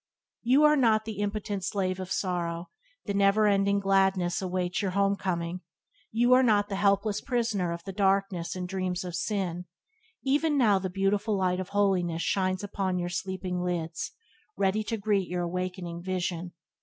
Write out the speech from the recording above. You are not the impotent slave of sorrow; the Never Ending Gladness awaits your Home coming. You are not the helpless prisoner of the darkness and dreams of sin; even now the beautiful light of holiness shines upon your sleeping lids, ready to greet your awakening vision.